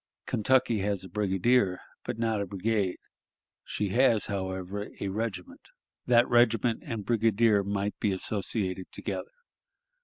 Kentucky has a brigadier, but not a brigade; she has, however, a regiment that regiment and brigadier might be associated together.